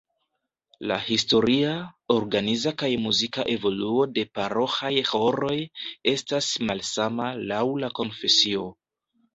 La historia, organiza kaj muzika evoluo de paroĥaj ĥoroj estas malsama laŭ la konfesio.